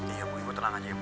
iya bu ibu tenang aja ya bu